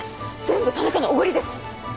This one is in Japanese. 全部田中のおごりです。